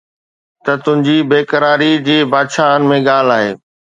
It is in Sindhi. ته تنهنجي بيقراري جي بادشاهن ۾ ڳالهه آهي